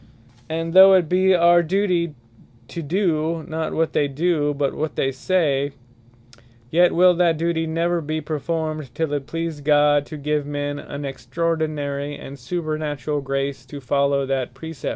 And though it be our duty to do, not what they do, but what they say; yet will that duty never be performed, till it please God to give men an extraordinary, and supernaturall grace to follow that Precept.